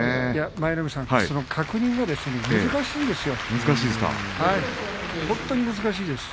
舞の海さん、本当に難しいんですよ。